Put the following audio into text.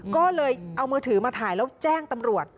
ก็เลยเอามือถือมาถ่ายแล้วแจ้งตำรวจ